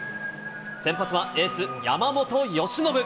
先発はエース、山本由伸。